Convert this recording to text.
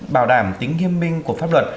bảo đảm tính nghiêm minh của pháp luật